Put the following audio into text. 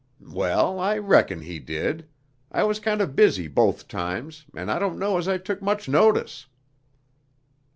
"Well, I reckon he did. I was kind of busy both times, and I don't know as I took much notice."